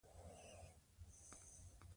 دا زموږ ویاړ دی.